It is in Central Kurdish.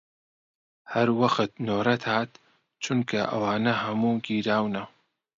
هەر وەخت نۆرەت هات، چونکە ئەوانە هەموو گیراونەوە